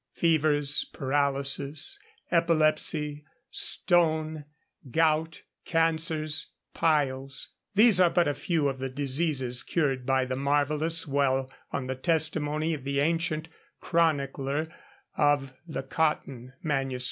Fevers, paralysis, epilepsy, stone, gout, cancers, piles these are but a few of the diseases cured by the marvellous well, on the testimony of the ancient chronicler of the Cotton MSS.